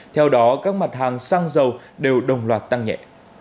theo đó các mặt hàng xăng dầu đều đồng loạt tăng nhẹ